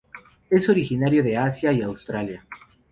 Es originario de Asia y Australia.